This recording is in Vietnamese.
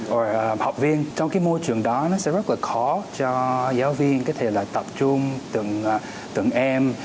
rồi học viên trong cái môi trường đó nó sẽ rất là khó cho giáo viên có thể là tập trung từng em